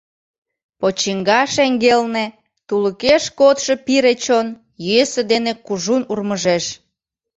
Почиҥга шеҥгелне тулыкеш кодшо пире чон йӧсӧ дене кужун урмыжеш.